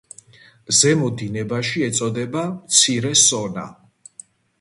ზემო დინებაში ეწოდება „მცირე სონა“.